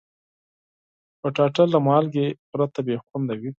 کچالو له مالګې پرته بې خوند وي